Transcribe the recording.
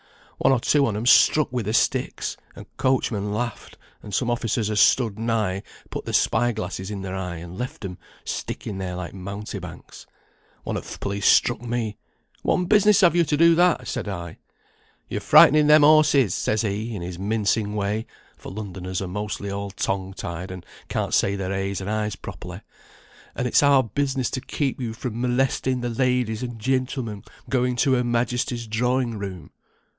One or two on 'em struck wi' their sticks, and coachmen laughed, and some officers as stood nigh put their spy glasses in their eye, and left 'em sticking there like mountebanks. One o' th' police struck me. 'Whatten business have yo to do that?' said I. [Footnote 28: "Rucks," a great quantity.] "'You're frightening them horses,' says he, in his mincing way (for Londoners are mostly all tongue tied, and can't say their a's and i's properly), 'and it's our business to keep you from molesting the ladies and gentlemen going to her Majesty's Drawing room.'